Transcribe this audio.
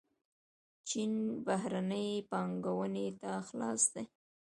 چین بهرنۍ پانګونې ته خلاص دی.